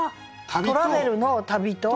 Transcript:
トラベルの「旅」と。